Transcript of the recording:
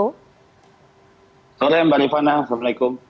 selamat sore mbak rifana assalamualaikum